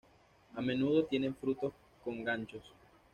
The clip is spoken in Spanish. A menudo tienen frutos con ganchos.